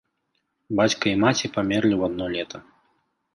Бацька і маці памерлі ў адно лета.